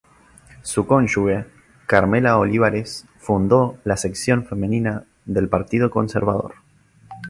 Su cónyuge, Carmela Olivares, fundó la sección femenina del Partido Conservador.